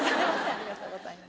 ありがとうございます。